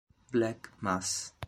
Black Mass